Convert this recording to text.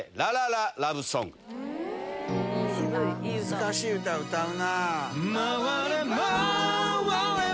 曲は、難しい歌、歌うな。